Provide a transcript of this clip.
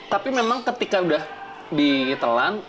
tapi memang ketika udah ditelan